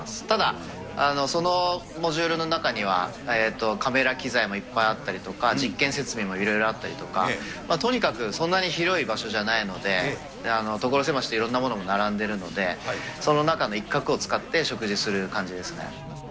ただ、そのモジュールの中には、カメラ機材もいっぱいあったりとか、実験設備もいろいろあったりとか、とにかくそんなに広い場所じゃないので、所狭しといろんなものが並んでるので、その中の一角を使って食事する感じですね。